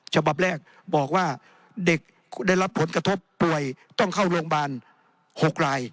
ฉบับแรกบอกว่าเด็กได้รับผลกระทบป่วยต้องเข้าโรงพยาบาล๖ราย